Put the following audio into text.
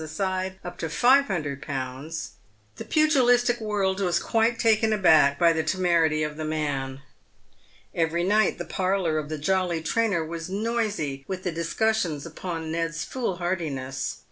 aside up to 500Z., the pugilistic world was quite taken aback by the temerity of the man. Every night the parlour of the " Jolly Trainer" was noisy with the discussions upon Ned's foolhardiness.